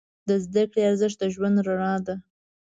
د زده کړې ارزښت د ژوند رڼا ده.